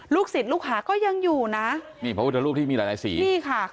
ศิษย์ลูกหาก็ยังอยู่นะนี่พระพุทธรูปที่มีหลายหลายสีนี่ค่ะ